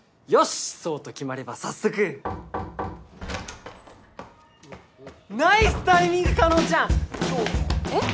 しそうと決まれば早速ナイスタイミング叶ちゃんえっ？